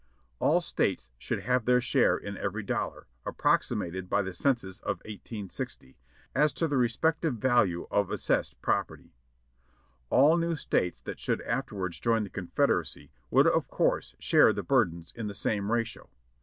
All States should have their share in every dollar, approximated by the census of i860, as to the re spective value of assessed property. All new States that should afterwards join the Confederacy would of course share the burdens in the same ratio.